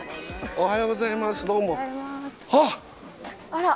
おはようございます。